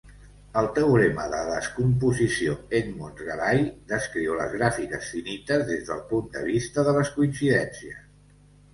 El teorema de descomposició Edmonds-Gallai descriu les gràfiques finites des del punt de vista de les coincidències.